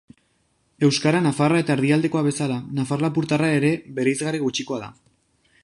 Euskara nafarra eta erdialdekoa bezala, nafar-lapurtarra ere bereizgarri gutxikoa da.